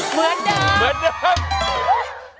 เหมือนเดิม